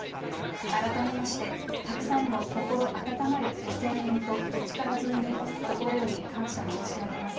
改めまして、たくさんの心温まるご声援とお力添えに心より感謝申し上げます。